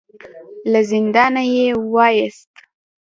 له زندانه يې وايست.